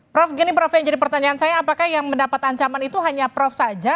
prof gini prof yang jadi pertanyaan saya apakah yang mendapat ancaman itu hanya prof saja